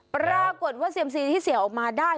ปรากฏว่าเซียมซีที่เสี่ยงออกมาได้